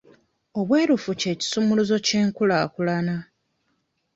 Obwerufu kye kisumuluzo ky'enkulaakulana.